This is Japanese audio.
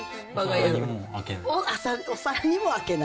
お皿にもあけない。